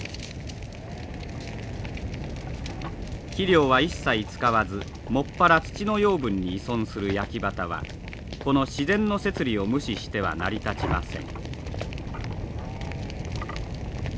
肥料は一切使わず専ら土の養分に依存する焼畑はこの自然の摂理を無視しては成り立ちません。